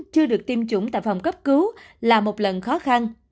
chưa được tiêm chủng tại phòng cấp cứu là một lần khó khăn